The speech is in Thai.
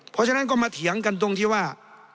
เพราะฉะนั้นก็มาเถียงกันตรงที่ว่า